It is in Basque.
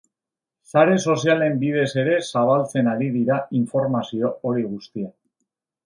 Sare sozialen bidez ere zabaltzen ari dira informazio hori guztia.